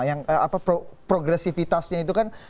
yang progresifitasnya itu kan